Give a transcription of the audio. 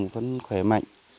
vẫn khỏe mạnh